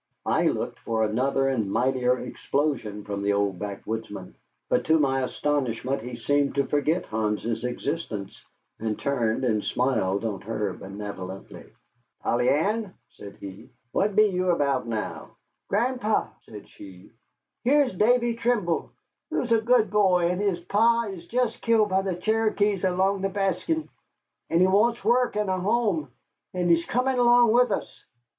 I looked for another and mightier explosion from the old backwoodsman, but to my astonishment he seemed to forget Hans's existence, and turned and smiled on her benevolently. "Polly Ann," said he, "what be you about now?" "Gran'pa," said she, "here's Davy Trimble, who's a good boy, and his pa is just killed by the Cherokees along with Baskin, and he wants work and a home, and he's comin' along with us."